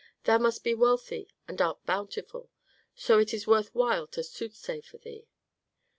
"Thou must be wealthy and art bountiful, so it is worth while to soothsay for thee."